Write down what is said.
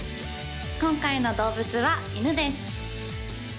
今回の動物は犬です